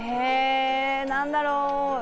何だろう？